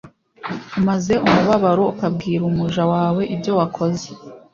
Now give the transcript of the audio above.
umaze umubabaro ukabwira umuja wawe ibyo wakoze.